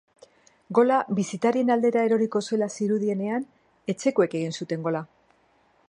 Gola bisitarien aldera eroriko zela zirudienean, etxekoek egin zuten gola.